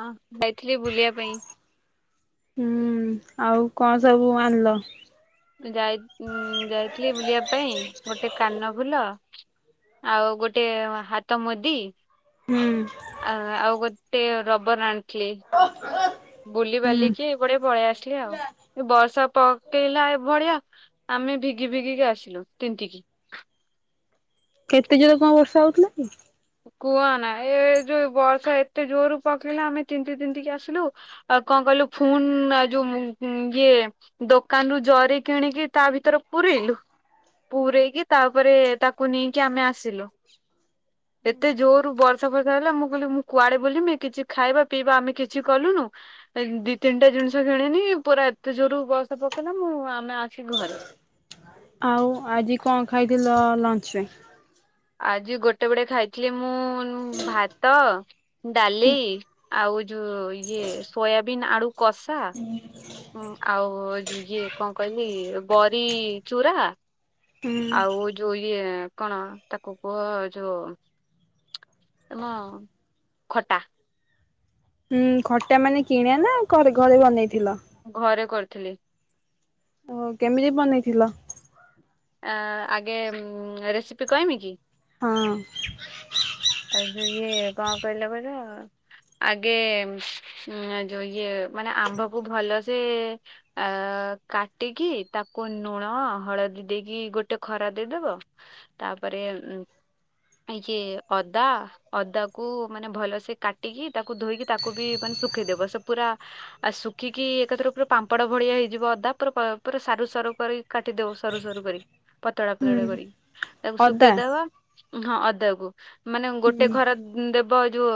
ହଁ ଯାଇଥିଲି ବୁଲିବା ପାଇଁ। ହୁଁ ଆଉ କଣ ସବୁ ଆଣିଲ? ଯାଇ ଯାଇଥିଲି ବୁଲିବା ପାଇଁ ଗୋଟେ କାନ ଫୁଲ ଆଉ ଗୋଟେ ହାତ ମୁଦି ହୁଁ ଆ ଆଉ ଗୋଟେ ରବର ଆଣିଥିଲି। ବୁଲି ହୁଁ। ବାଲିକି ଏପଡ଼େ ପଳେଇ ଆସିଲି ଆଉ ଏ ବର୍ଷା ପକେଇଲା ଏଭଳିଆ ଆମେ ଭିଗି ଭିଗିକି ଆସିଲୁ ତିନ୍ତି କିି କେତେ ଜୋର୍ କୋଉ ବର୍ଷା ହଉଥିଲା କି? କୁହ ନା ଏ ଯୋଉ ବର୍ଷା ଏତେ ଜୋର ପକେଇଲେ ଆମେ ତିନ୍ତି ତିନ୍ତିକି ଆସିଲୁ ଆଉ କଣ କହିଲୁ ଫୁନ୍ ଆ ଯୋଉ ଇଏ ଦୋକାନରୁୁ ଜରି କିଣିକି ତା ଭିତର ପୁରେଇଲୁ ପୂରେଇକି ତାପରେ ତାକୁ ନେଇକି ଆମେ ଆସିଲୁ। [inaudible] ଏତେ ଜୋରରୁ ବର୍ଷା ଫର୍ଷା ହେଲା ମୁଁ କହିଲି ମୁଁ କୁଆଡ଼େ ବୁଲମି କିଛି ଖାଇବା ପିଇବା ଆମେ କିଛି କଲୁନୁ। ଏ ଦି ତିନିଟା ଜିନିଷ କିଣିନି ପୁରା ଏତେ ଜୋରରୁ ବୟସା ପକେଇଲା ମୁଁ ଆମେ ଆସିି ଘରେ। ଆଉ ଆଜି କଣ ଖାଇଥିଲ ଲଞ୍ଚ୍ ରେ? ଆଜି ଗୋଟେ ବେଡ଼େ ଖାଇଥିଲି ମୁଁ ଭାତ ଡାଲି ଆଉ ଯୋ ଇଏ ସୋୟାବିନ୍ ଆଳୁ କଷା ହଁ ଆଉ ଇଏ କଣ କହିଲି ବରି ଚୁରା ହୁଁ ଆଉ ଯୋଉ ଇଏ କଣ ତାକୁ କୁହ ଯୋଉ ତମ ଖଟା। ହୁଁ ଖଟା ମାନେ କିଣି ନା ଘରେ ଘରେ ବନେଇଥିଲ? ଘରେ କରିଥିଲି। ଓ କେମିତି ବନେଇଥିଲ? ଆ-ଆଗେଁ ମ୍ ରେସିପି କହମି କି? ହଁ। ଆ ଯ ଇଏ କଣ କହିଲେ କହିଲ-ଅ? ଆଗେ ଉଁ ଯୋଉ ଇଏ ମାନେ ଆମ୍ବକୁ ଭଲ ସେ-ଏ ଆ କାଟିକି ତାକୁ ଲୁଣ ହଳଦୀ ଦେଇକି ଗୋଟେ ଖରା ଦେଇଦବ। ତା'ପରେ ଉମ୍ ଇଏ ଅଦା ଅଦାକୁ ମାନେ ଭଲସେ କାଟିକି ତାକୁ ଧୋଇକି ତାକୁ ବି ମାନେ ଶୁଖେଇଦବ। ସେ ପୁରା ଆଉ ଶୁଖିକି ଏକାଥର ପୁରା ପାମ୍ପଡ ଭଳିଆ ହେଇଯିବ ଅଦା। ପୁରା ପୁରା ସାରୁ ସାରୁ କରି କାଟିଦଉ ସରୁ ସରୁ କରିକି ପତଳା ପତଳା ହୁଁ କରି ତାକୁ ଅଦା ଶୁଖେଇଦବା ହଁ, ଅଦା କୁ ମାନେ ଗୋଟେ ଖରା ଦେବ ଯୋଉ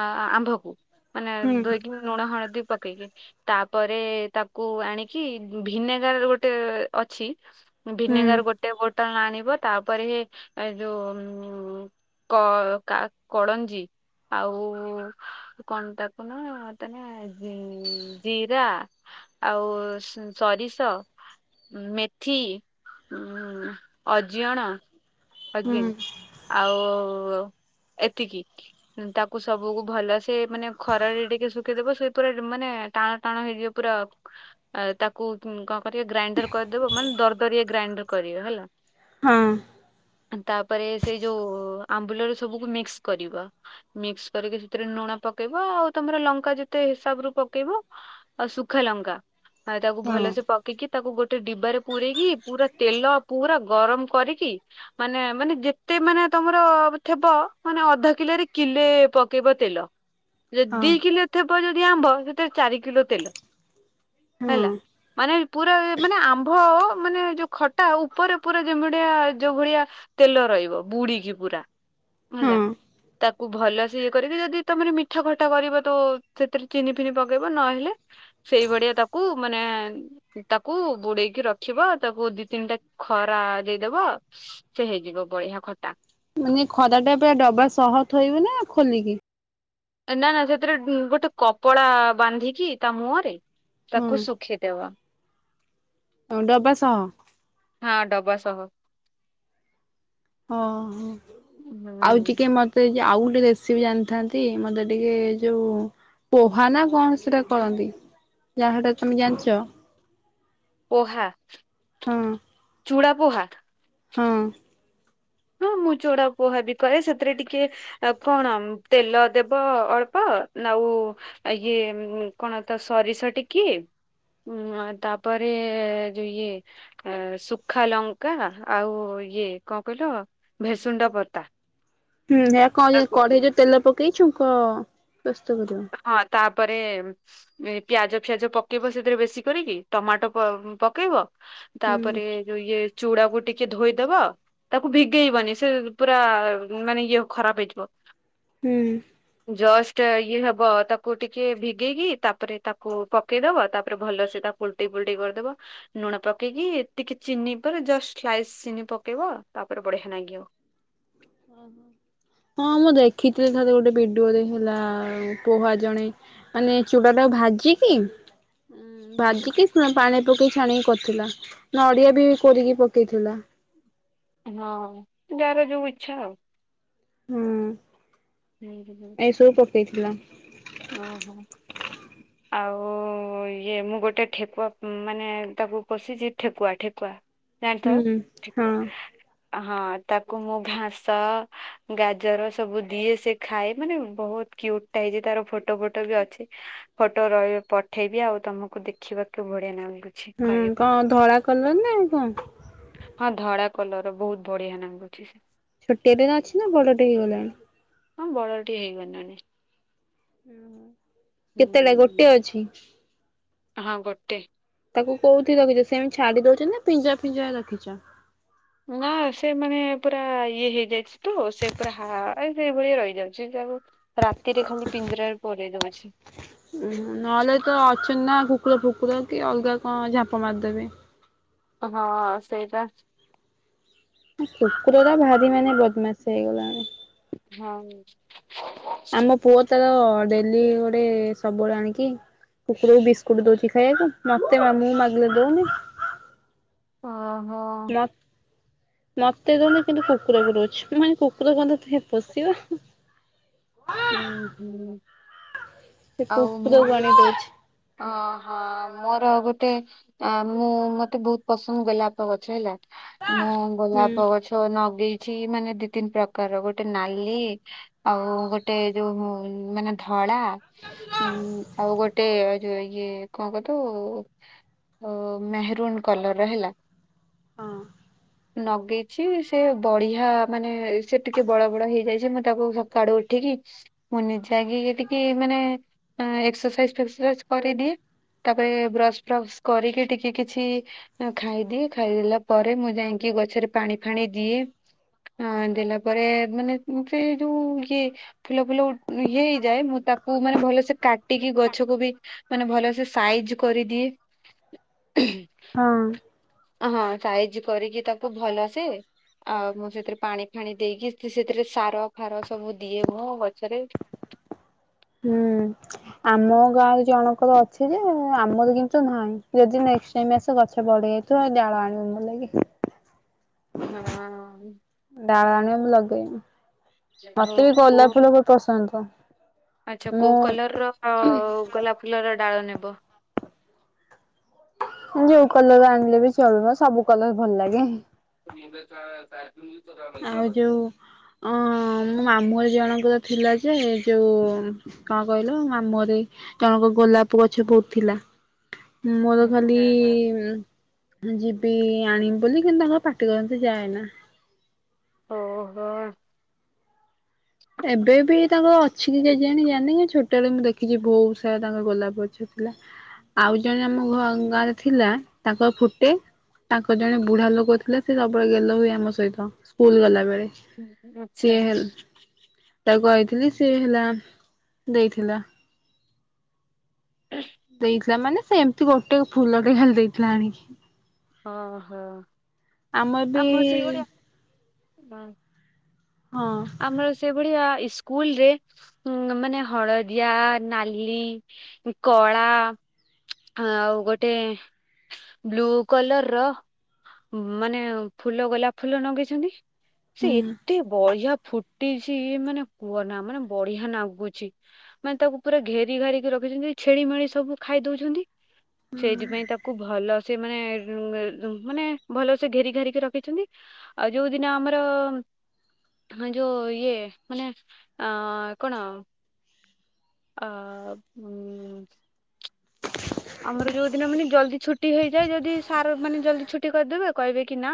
ଆ-ଆମ୍ଭକୁ ମାନେ ହୁଁ ଧୋଇକି ନୁଣ ହଳଦୀ ପକେଇକି। ତା'ପରେ ତାକୁ ଆଣିକି, ଭିନେଗାରର୍ ଗୋଟେ ଅଛି। ହୁଁ ଭିନେଗାର ଗୋଟେ ବୋଟଲ ଆଣିବ, ତା'ପରେ ଏ ଯୋଉ-ଉଁ କ-କା-କଳଞ୍ଜି ଆଉ କଣ, ତାକୁ ନ ତାନେ ଜି ଜିରା ଆଉ ସରିଷ ମେଥି ଅଜିଅଣ ଅଜିନ୍, ହୁଁ ଆଉ ଏତିକି! ତାକୁ ସବୁକୁ ଭଲ ସେ ମାନେ, ଖରାରେ ଟିକେ ଶୁଖେଇଦବ। ସେପୁରା ମାନେ ଟାଣ ଟାଣ ହେଇଯିବ। ପୁରାପ୍ ଆ ତାକୁ କଣ କରିବ? ଗ୍ରାଇଣ୍ଡର କରିଦବ, ମାନେ ଦରଦରିଆ ଗ୍ରାଇଣ୍ଡର କରିବ ହେଲା ହଁ। ତା'ପରେ ସେଇ ଯୋଉ ଆମ୍ବୁଲରେ ସବୁକୁ ମିକ୍ସ କରିବ। ମିକ୍ସ କରିକି ସେଥିରେ ନୁଣ ପକେଇବ। ଆଉ ତମର ଲଙ୍କା ଯେତେ ହିସାବରୁ ପକେଇବ। ଆଉ ସୁଖା ଲଙ୍କା, ଆଉ ତାକୁ ହଁ ଭଲସେ ପକେଇକି ତାକୁ ଗୋଟେ ଡିବାରେ ପୁରେଇକି ପୁରା ତେଲ ପୁରା ଗରମ କରିକି, ମାନେ ମାନେ ଯେତେ ମାନେ ତମ ର ଥେବ, ମାନେ ଅଧ କିଲେରେ, କିଲେ ପକେଇବ ତେଲ। ଯଦି ହଁ ଦି କିଲେ ଥିବ ଯଦି ଆମ୍ବ, ସେଥିରେ ଚାରି କିଲୋ ତେଲ ହଁ ହେଲା, ମାନେ ପୁରା ମାନେ ଆମ୍ଭ, ମାନେ ଯୋଉ ଖଟା ଉପରେ ପୁରା ଯେଁ ଭଳିଆ ଯୋଉଭଳିଆ ତେଲ ରହିବ। ବୁଡିକି ପୁରା ହେଲା। ହଁ। ତାକୁ ଭଲସେ ଇଏ କରିକି, ଯଦି ତମର ମିଠା ଖଟା କରିବ ତୋ, ସେଥିରେ ଚିନି ଫିନି ପକେଇବ। ନହେଲେ ସେଇଭଡ଼ିଆ ତାକୁ ମାନେ ତାକୁ ବୁଡେଇକି ରଖିବ, ତାକୁ ଦି ତିନିଟା ଖରା ଦେଇଦବ। ସେ ହେଇଯିବ, ବଢିଆ ଖଟା! ମାନେ ଖରା ଟା ପୁରା ଡବା ସହ ଥୋଇବୁନା ଖୋଲିକି? ନାଁ, ନାଁ ସେଥିରେ ଗୋଟେ କପଡା ବାନ୍ଧିକି, ତା, ମୁହଁରେ ତାକୁ ହଁ ଶୁଖେଇ ଦେବା। ଡବା ସହ। ହଁ, ଡବାସହ। ଓହୋ, ହୁଁ ଆଉ ଟିକେମତେ ଆଉ ଗୁଟେ ରେସିପି ଜାଣିଥାନ୍ତି, ମତେ ଟିକେ ଯୋଉଁ ପୋହା ନା କଣ ସେଟା କରନ୍ତି, ଯାହାଟା ତମେ ଜାଣିଚ? ପୋହା! ହଁ ଚୁଡାପୋହା। ହଁ। ହଁ ମୁଁ ଚୁଡା ପୋହାବି କରେ ସେଥିରେ ଟିକେ ଆଉ କଣ ତେଲ ଦେବ ଅଳ୍ପ ଆଉ ଆ ଇଏ କଣ ତ ସରିଷ ଟିକିଏ ହୁଁ ତାପରେ ଯଉ ଇଏ ଏ ସୁଖା ଲଙ୍କା ଆଉ ଇଏ କଣ କହିଲ ଭେସୁଣ୍ଡା ପତା ହୁଁଏହା ତାକୁ କଢେଇରେ ତେଲ ପକେଇ ଛୁଙ୍କ ବ୍ୟସ୍ତ କରିବ ହଁ ତାପରେ ପିଆଜ ଫିଆଜ ପକେଇବ ସେଥିରେ ବେଶୀ କରିକି ଟମାଟ ପକେଇବ ହୁଁ ତାପରେ ଯୋଉ ଇଏ ଚୁଡାକୁ ଟିକେ ଧୋଇଦବ ତାକୁ ଭିଗେଇବନି ସେପୁରା ମାନେ ଇଏ ଖରାପ ହେଇଯିବ ହୁଁ। ଜଷ୍ଟ ଇଏହବ ତାକୁ ଟିକେ ଭିଗେଇକି ତାପରେ ତାକୁ ପକେଇଦବ ତାପରେ ଭଲସେ ତାକୁ ଓଲଟେଇ ଫୁଲଟେଇ କରିଦବ ଲୁଣ ପକେଇକି ଟିକେ ଚିନିପରେ ଜଷ୍ଟ ସ୍ଲାଇସ ଚିନି ପକେଇବ ତାପରେ ବଢିଆ ଲାଗିବ। ହଁ ମୁଁ ଦେଖିଥିଲି ଥରେ ଗୋଟେ ଭିଡିଓରେ ହେଲା ପୋହା ଜଣେ ମାନେ ଚୁଡାଟାକୁ ଭାଜିକି ହୁଁ ଭାଜିକି ପାଣି ପକେଇ ଛାଣିକି କରିଥିଲା ନଡିଆବି କୋରିକି ପକେଇଥିଲା। ହଁ ଯାହାର ଯୋଉ ଇଚ୍ଛା ଆଉ ହୁଁ। ହୁଁ ହୁଁ। ଏସବୁ ପକେଇଥିଲା। ଓ ହୋ। [unintelligible] ଆଉ ଇଏ ମୁଁ ଗୋଟେ ଠେକୁଆ ମାନେ ତାକୁ ପୋଶିଛି ଠେକୁଆ ଠେକୁଆ ଜାଣିଥିବ? ହୁଁ। ହଁ ତାକୁ ମୁଁ ଘାସ ଗାଜର ସବୁ ଦିଏ ସେ ଖାଏ ମାନେ ବହୁତ କିୟୁଟ୍ ହେଇଛି ତାର ଫଟୋ ଫଟୋ ବି ଅଛି ଫଟୋ ରହିବ ପଠେଇବି ଆଉ ତମକୁ ଦେଖିବାକୁ ବଢ଼ିଆ ନାଗୁ ହୁଁ କଣ ଧଳା କଲର ଆଉ କଣ? ହଁ ଧଳା କଲର ବହୁତ ବଢ଼ିଆ ନାଗୁଛି। ଛୋଟିଆଟେ ନା ଅଛି ନା ବଡ଼ଟେ ହେଇଗଲାଣି? ହଁ ବଡ଼ ଟିଏ ହେଇଗଲାଣି। ହୁଁ କେତେବେଲା ଗୋଟେ ହୁଁ ଅଛି? ହଁ ଗୋଟେ। ତାକୁ କୋଉଠି ରଖିଛ ସେମିତି ଛାଡ଼ି ଦଉଛନ୍ତି ନା ପିଞ୍ଜରା ଫିଞ୍ଜରା ରଖିଛ? ନା ସେ ମାନେ ପୁରା ଇଏ ହେଇଯାଇଛି ତ ସେ ପୁରା ହା ସେଇଭଳି ରହିଯାଉଛି। ହଁ ତାକୁ ରାତିରେ ଖାଲି ପିଞ୍ଜରାରେ ପୁରେଇ ଦଉଛି। ଉ -ହୁଁ ନହେଲେ ତ ଅଛନ୍ତି ନା କୁକୁର ଫୁକୁର କି ଅଲଗା କଣ ଝାପ ମାରିଦେବେ? ହଁ ସେଇଟା। କୁକୁର ଟା ଭାରି ମାନେ ବଦମାସ ହେଇଗଲାଣି। ହଁ। ଆମ ପୁଅ ତାର ଡେଲି ଗୋଟେ ସବୁବେଳେ ଆଣିକି କୁକୁରକୁ ବିସ୍କୁଟ ଦଉଛି ଖାଇବାକୁ ମତେ ମୁଁ ମାଗିଲେ ଦଉନି। ଅହ। ମ ମତେ ଦଉନି କିନ୍ତୁ କୁକୁରକୁ ଦଉଛି ମାନେ କୁକୁର କଣ ତତେ ପୋଶିବ। ଉଁ -ହୁଁ। ସେ କୁକୁରକୁ ଆଣି ଦଉଛି। ଅ-ହ ମୋର ଗୋଟେ ଆ ମୁଁ ମତେ ବହୁତ ପସନ୍ଦ ଗୋଲାପ ଗଛ ହେଲା। ମୁଁ ହୁଁ। ଗୋଲାପ ଗଛ ଲଗେଇଛି ମାନେ ଦି ତିନି ପ୍ରକାର ଗୋଟେ ନାଲି ଆଉ ଗୋଟେ ଯୋଉ ମାନେ ଧଳା ଉଁ ଆଉ ଗୋଟେ ଯୋଉ ଇଏ କଣ କ ତୁ ମେହେରୁନ୍ କଲର ର ହେଲା। ହଁ। ନଗେଇଛି ସେ ବଢ଼ିଆ ମାନେ ସେ ଟିକେ ବଡ଼ ବଡ଼ ହେଇଯାଇଛି ମୁଁ ତାକୁ ସକାଡୁ ଉଠିକି ମୁଁ ନିଜେ ଆଗେ ଇଏ ଟିକେ ମାନେ ଏକ୍ସରସାଇଜି ଫେକ୍ସର ସାଇଜି କରିଦିଏ। ତାପରେ ବ୍ରସ ଫ୍ରସ୍ କରିକି ଟିକେ କିଛି ଖାଇଦିଏ ଖାଇଦେଲା ପରେ ମୁଁ ଯାଇକି ଗଛରେ ପାଣି ଫାଣି ଦିଏ। ହଁ ଦେଲା ପରେ ମାନେ ସେ ଥାଏ ଯୋଉ ଇଏ ଫୁଲ ଫୁଲ ଇଏ ହେଇଯାଏ ମୁଁ ତାକୁ ମାନେ ଭଲସେ କାଟିକି ଗଛକୁ ବି ମାନେ ଭଲ ସେ ସାଇଜି କରିଦିଏ। ହୁଁ। ହଁ ସାଇଜି କରିକି ତାକୁ ଭଲସେ। ଆଉ ମୁଁ ସେଥିରେ ପାଣି ଫାଣି ଦେଇକି ସେଥିରେ ସାର ଫାର ସବୁ ଦିଏ ମୁଁ ଗଛରେ। ହୁଁ। ଆମ ଗାଁରେ ଜଣଙ୍କର ଅଛି ଯେ ଆମର କିନ୍ତୁ ନାହିଁ ଯଦି ନେକଷ୍ଟେ ତମର ସେଇ ଗଛ ବଢ଼ି ଯାଇଥିବ ଡ଼ାଳ ଆଣିବୁ ମୋଲାଗି ହଁ। ଡାଳ ଆଣିବ ମୁଁ ଲଗେଇମି ହଉ ମତେ ବି କୋଉ ଗୋଲାପ ଫୁଲ ପସନ୍ଦ। ଆଚ୍ଛା ମୁଁ କୋଉ କଲରର ଗୋଲାପ ଫୁଲର ଡ଼ାଳ ନେବ? ଯୋଉ କଲର ଆଣିଲେ ବି ଚଳିବ ସବୁ କଲର ଭଲ ଲାଗେ। [inaudible] ଆଉ ଯୋଉ ଅ ମୋ ମାମୁଁର ଜଣଙ୍କର ଥିଲା ଯେ ଯୋଉ କଣ କହିଲ ମାମୁଁ ଘରେ ଜଣଙ୍କ ଗୋଲାପ ଗଛ ବହୁତ ଥିଲା। ମୋର ଖାଲି ଆଚ୍ଛା ଉଁ ଯିବି ଆଣିବି ବୋଲି କିନ୍ତୁ ତାଙ୍କର ପାଟି କରନ୍ତି ଯାଏନା। ଓହୋ। ଏବେ ବି ତାଙ୍କର ଅଛି କି ଯାଇ ଜାଣିନି ଛୋଟବେଳେ ମୁଁ ଦେଖିଛି ବହୁତ୍ ସାରା ତାଙ୍କ ଗୋଲାପ ଗଛ ଥିଲା। ଆଉ ଜଣେ ଆମ ଗାଁରେ ଥିଲା ତାଙ୍କର ଫୁଟେ ତାଙ୍କର ଜଣେ ବୁଢା ଲୋକ ଥିଲା ସେ ସବୁବେଳେ ଗେଲ ହୁଏ ଆମ ସହିତ ସ୍କୁଲ ଗଲା ବେଳେ। ସିଏ ଆଚ୍ଛା। ହେ ତାକୁ କହିଥିଲି ସିଏ ହେଲା ଦେଇଥିଲା। ହ। ଦେଇଥିଲା ମାନେ ସେ ଏମିତି ଗୋଟେ ଫୁଲଟେ ଖାଲି ଦେଇଥିଲା ଆଣିକି। ହଁ ହଁ ଆମର ଆ ବି ମୁଁ ସେଇଭଳିଆ ହଁ ଆମର ସେଇଭଳିଆ ସ୍କୁଲରେ ମାନେ ହଳଦିଆ ନାଲି କଳା ଆଉ ଗୋଟେ ବ୍ଲୁ କଲର ର ମାନେ ଫୁଲ ଗୋଲାପ ଫୁଲ ଲଗେଇଛନ୍ତି ସେ ହୁଁ ଏତେ ଏତେ ବଢ଼ିଆ ଫୁଟିଛି ମାନେ କୁହନା ମାନେ ବଢ଼ିଆ ନାଗୁଛି। ମାନେ ତାକୁ ପୁରା ଘେରି ଘାରିକି ରଖିଛନ୍ତି ଛେଳି ମେଳି ସବୁ ଖାଇ ଦଉଛନ୍ତି। ସେଇଥିପାଇଁ ତାକୁ ଭଲସେ ମାନେ ଉଁ ଊ ମାନେ ଭଲସେ ଘେରି ଘୋରିକି ରଖିଛନ୍ତି ଆଉ ଯୋଉଦିନ ଆମର ହଁ ଯୋଉ ଇଏ ମାନେ ଅ କଣ ଆ ଉଁ ଆମର ଯୋଉ ଦିନ ମାନେ ଜଲ୍ଦି ଛୁଟି ହେଇଯାଏ ଯଦି ସାର୍ ମାନେ ଜଲ୍ଦି ଛୁଟି କରିଦେବେ କହିବେକି ନା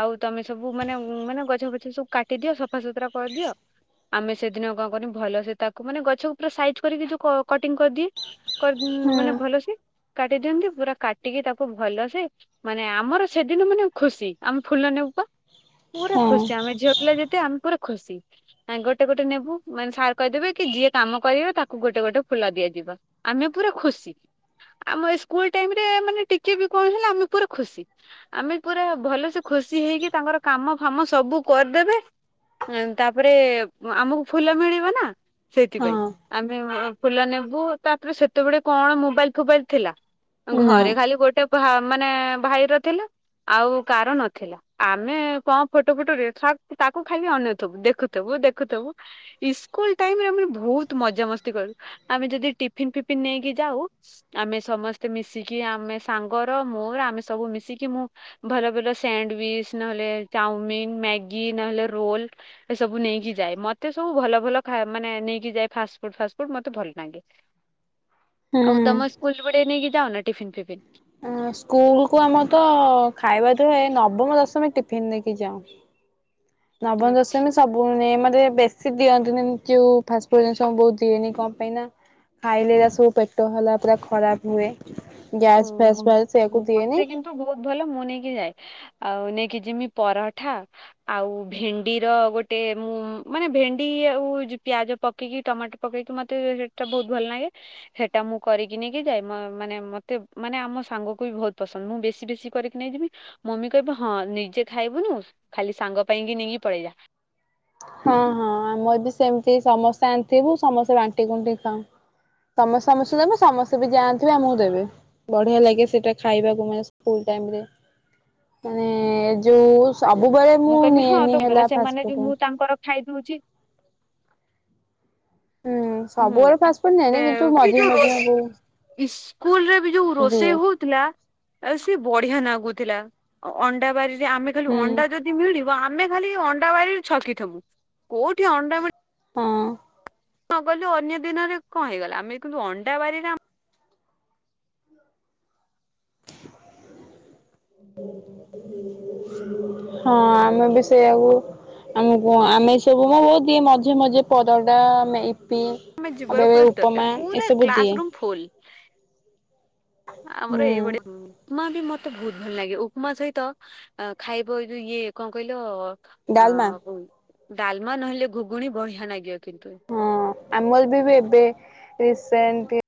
ଆଉ ତମେ ସବୁ ମାନେ ମାନେ ଗଛ ଫଛ ସବୁ କାଟିଦିଅ ସଫାସୁତୁରା କରିଦିଅ ଆମେ ସେଦିନ କଣ କରନୁ ଭଲସେ ତାକୁ ମାନେ ଗଛକୁ ପୁରା ସାଇଜ୍ କରିକି ଯୋଉ କ କଟିଂ କରିଦିଏ କର୍ ହୁଁ ମାନେ ଭଲସେ କାଟି ଦିଅନ୍ତି ପୁରା କାଟିକି ତାକୁ ଭଲସେ ମାନେ ଆମର ସେଦିନ ମାନେ ଖୁସି ଆମେ ଫୁଲ ନେବୁପା ପୁରା ହଁ ଖୁସି ଆମେ ଝିଅ ପିଲା ଯେତେ ଆମେ ପୁରା ଖୁସି। ଗୋଟେ ଗୋଟେ ନେବୁ ମାନେ ସାର୍ କହିଦେବେକି ଯିଏ କାମ କରିବେ ତାକୁ ଗୋଟେ ଗୋଟେ ଫୁଲ ଦିଆଯିବ। ଆମେ ପୁରା ଖୁସି ଆମ ଏସ୍କୁଲ୍ ଟାଇମରେ ମାନେ ଟିକେବି କଣ ହେଲେ ଆମେ ପୁରା ଖୁସି। ଆମେ ପୁରା ଭଲସେ ଖୁସି ହେଇକି ତାଙ୍କର କାମ ଫାମ ସବୁ କରିଦେବେ ତାପରେ ଆମକୁ ଫୁଲ ମିଳିବନା ସେଥିପାଇଁ ହଁ ଆମେ ଫୁଲ ନେବୁ ତାପରେ ସେତେବେଳେ କଣ ମୋବାଇଲ୍ ଫୋବାଲି୍ ଥିଲା ନା ଘରେ ଖାଲି ଗୋଟେ ମାନେ ଭାଇର ଥିଲା। ଆଉ କାର ନଥିଲା। ଆମେ କଣ ଫଟୋ ଫୁଟରେ ତାକୁ ଖାଇଲି ଅନଉଥବୁ ଦେଖୁଥିବୁ ଦେଖୁଥିବୁ ଇକ୍ସୁଲ୍ ଟାଇମରେ ଆମେ ବହୁତ୍ ମଜାମସ୍ତି କରୁ ଆମେ ଯଦି ଟିଫିନ୍ ଫିଫିନ୍ ନେଇକି ଯାଉ ଆମେ ସମସ୍ତେ ମିଶିକି ଆମେ ସାଙ୍ଗର ମୋର ଆମେ ସବୁ ମିଶିକି ମୁଁ ଭଲ ଭଲ ସ୍ୟାଣ୍ଡୱିଚ ନହେଲେ ଚାଉମିନ ମ୍ୟାଗି ନହେଲେ ରୋଲ ଏସବୁ ନେଇକି ଯାଏ ମତେ ସବୁ ଭଲ ଭଲ ମାନେ ନେଇକି ଯାଏ ଫାଷ୍ଟ ଫୁଡ୍ ଫାଷ୍ଟ ଫୁଡ୍ ମତେ ଭଲ ଲାଗେ। ଆଉ ହୁଁ। ତମ ସ୍କୁଲ ପଟେ ନେଇକି ଯାଅନା ଟିଫିନ୍ ଫିଫିନ୍? ଅସ୍କୁଲକୁ ଆମରତ ଖାଇବା ଥୁଏ ନବମ ଦଶମୀ ଟିଫିିନ୍ ନେଇକି ଯାଉ। ନବମ ଆଚ୍ଛା ଦଶମୀ ସବୁ ପୁଣି ମତେ ବେଶୀ ଦିଅନ୍ତିନି ଯଉ ଫାଷ୍ଟ ଫୁଡ୍ ଜିନିଷ ମୋବୋଉ ଦିଏନି କଣ ପାଇଁନା ଖାଇଲେ ଏରା ସବୁ ପେଟ ହେଲା ପୁରା ଖରାପ୍ ହୁଏ। ଗ୍ୟାସ୍ ଫ୍ୟାସ୍ ହୁଁ ବାହାରେ ସେଇଆକୁ ଦିଏନି। ମତେ କିନ୍ତୁ ବହୁତ୍ ଭଲ ମୁନେଇକି ଯାଏ। ଆଉ ନେଇକି ଯିମି ପରଠା ଆଉ ଭେଣ୍ଡିର ଗୋଟେ ମୁଁ ମାନେ ଭେଣ୍ଡି ଆଉ ପିଆଜ ପକେଇକି ଟମାଟୋ ପକେଇକି ମତେ ସେଟା ବହୁତ୍ ଭଲ ଲାଗେ ସେଟା ମୁଁ କରିକି ନେଇକି ଯାଏ ମ ମାନେ ମତେ ମାନେ ଆମ ସାଙ୍ଗକୁବି ବହୁତ୍ ପସନ୍ଦ ମୁଁ ବେଶୀ ବେଶୀ କରିକି ନେଇଯିବି। ମମି କହିବେ ହଁ ନିଜେ ଖାଇବୁନୁ ଖାଲି ସାଙ୍ଗ ପାଇଁକି ନେଇକି ପଳେଇଲା। ହଁ ହଁ ଆମରବି ସେମିତି ସମସ୍ତେ ଆଣିଥିବୁ ସମସ୍ତେ ବାଣ୍ଟି କୁଣ୍ଟି ଖାଉ। ତମେ ସମସ୍ତେ ଦେବେ ସମସ୍ତେବି ଯାଆଣିଥିବେ ଆମକୁ ଦେବେ। ବଢ଼ିଆ ଲାଗେ ସେଟା ଖାଇବାକୁ ମାନେ ସ୍କୁଲ ଟାଇମରେ ମାନେ ଯୋଉ ସବୁବେଳେ ମୁଁ କହିବି ହଁ ନିଏନି ତ ଗଲେ ହେଲା ସେମାନେ ଫାଷ୍ଟ ଯୋଉ ଫୁଡ୍। ମୁଁ ତାଙ୍କର ଖାଇଦଉଛି ହୁଁ ହୁଁ ସବୁବେଳେ ଫାଷ୍ଟଫୁଡ୍ ନିଏନି କିନ୍ତୁ ମଝିରେ ମଝିରେ ବୋଉ ଇସ୍ ସ୍କୁଲରେବି ଯୋଉ ଦିଏ। ରୋଷେଇ ହଉ ଥିଲା ଆସି ବଢ଼ିଆ ନାଗୁଥିଲା ଅଣ୍ଡା ବାରିରେ ଆମେ ଖାଲି ହୁଁ ଅଣ୍ଡା ଯ ଦି ମିଳିବ ଆମେ ଖାଲି ଅଣ୍ଡା ବାରିରେ ଛକି ଥବୁ କୋଉଠି ଅଣ୍ଡା ମି ହଁ ନ ଗଲୁ ଅନ୍ୟ ଦିନରେ କଣ ହେଇଗଲା ଆମେ କହିଲୁ ଅଣ୍ଡା ବାରିରେ ଆମ [inaudible] ହଁ ଆମେ ବି ସେଇଆକୁ ଆମ କହ ଆମେ ସବୁ ମୋ ବୋଉ ଦିଏ ମଝି ମଝିରେ ପରଟା ମେଇ ପି ଆମେ ଆବେ ବେଳେ ବେଳେ ଉପମା ଏସବୁ ଦିଏ। ଫୁଲ୍ ଆମର ହୁଁ ଏଇଭଳିଆ ବହୁତ ଭଲ ଲାଗେ, ଉପମା ସହିତ ଖାଇବ ଯୋଉ ଇଏ କଣ କହିଲ ଆ ଡାଲମା ହୁ ଡାଲମା ନହେଲେ ଘୁଗୁଣି ବଢ଼ିଆ ନାଗିବ କିନ୍ତୁ ହଁ ଆମର ବି ବି ଏବେ ରିସେଣ୍ଟ